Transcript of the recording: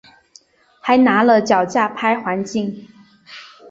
还拿了脚架拍环景